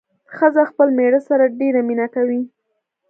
ښځه خپل مېړه سره ډېره مينه کوي